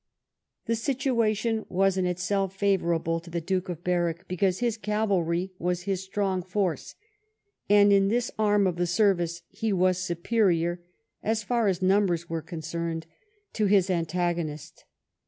The situation was in itself favorable to the Duke of Berwick, because his cavalry was his strong force, and in this arm of the service he was superior, 80 far as numbers were concerned, to his antagonist.